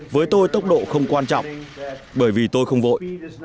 với tôi tốc độ không quan trọng bởi vì tôi không vội